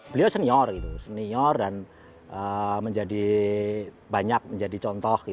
beliau senior senior dan banyak menjadi contoh